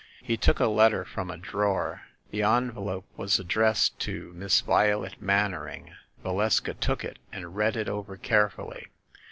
He took a letter from a drawer. The envelope was addressed to Miss Violet Mannering. Valeska took it and read it over carefully.